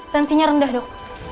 tensinya rendah dok